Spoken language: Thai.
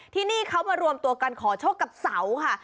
ที่นี่เขามารวมตัวกันขอโชคกับเสาค่ะ